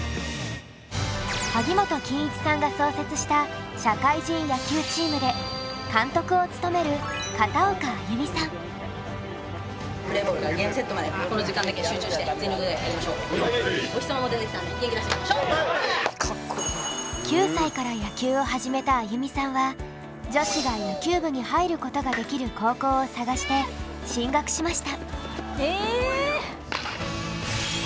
萩本欽一さんが創設した社会人野球チームで監督を務めるお日さまも出てきたので９歳から野球を始めた安祐美さんは女子が野球部に入ることができる高校を探して進学しました。